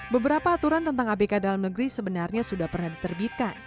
beberapa aturan tentang abk dalam negeri sebenarnya sudah pernah diterbitkan